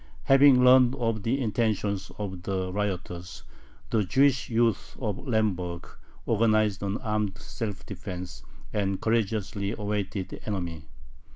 Having learned of the intentions of the rioters, the Jewish youth of Lemberg organized an armed self defense, and courageously awaited the enemy.